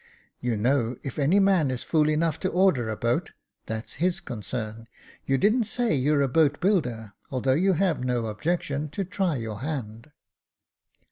You know if any man is fool enough to order a boat, that's his concern ; you didn't say you're a boat builder, although you have no objection to try your hand."